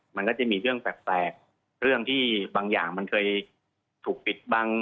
มันก็จะมีเรื่องแปลกเรื่องที่บางอย่างมันเคยถูกปิดบัง